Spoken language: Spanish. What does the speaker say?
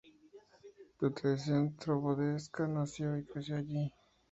La tradición trovadoresca nació y creció allí.